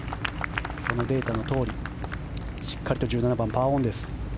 そのデータのとおり、しっかりと１７番、パーオンです。